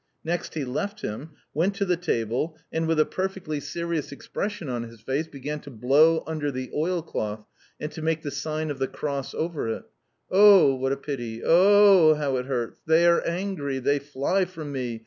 Next he left him, went to the table, and, with a perfectly serious expression on his face, began to blow under the oil cloth, and to make the sign of the cross over it, "O oh, what a pity! O oh, how it hurts! They are angry! They fly from me!"